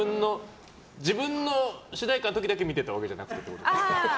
自分の主題歌の時だけ見てたわけじゃなくてってことですか？